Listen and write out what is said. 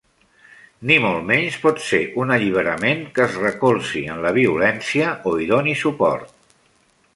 Ni molt menys pot ser un alliberament que es recolzi en la violència o hi doni suport.